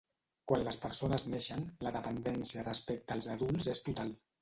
Quan les persones neixen, la dependència respecte als adults és total.